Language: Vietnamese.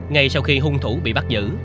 ngay sau khi hung thủ bị bắt giữ